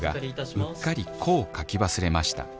うっかり「子」を書き忘れました。